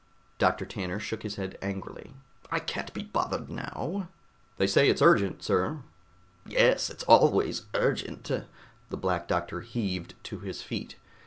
Doctor Tanner shook his head angrily, "I can't be bothered now!" "They say it's urgent, sir." "Yes, it's always urgent." The Black Doctor heaved to his feet.